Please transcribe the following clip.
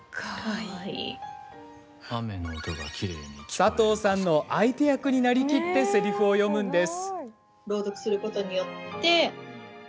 佐藤さんの相手役になりきってせりふを読むんです。